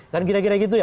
kan kira kira gitu ya